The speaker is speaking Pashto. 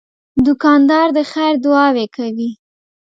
دوکاندار د خیر دعاوې کوي.